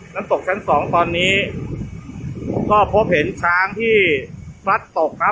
น้ำตกชั้นสองตอนนี้ก็พบเห็นช้างที่พลัดตกครับ